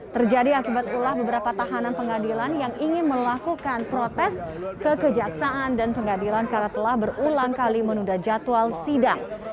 terjadi akibat ulah beberapa tahanan pengadilan yang ingin melakukan protes ke kejaksaan dan pengadilan karena telah berulang kali menunda jadwal sidang